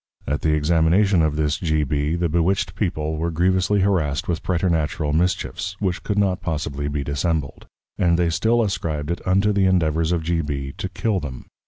At the Examination of this G. B. the Bewitched People were grievously harrassed with Preternatural Mischiefs, which could not possibly be Dissembled; and they still ascribed it unto the endeavours of G. B. to Kill them.